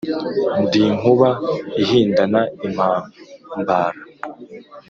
Ndi Nkuba ihindana impambara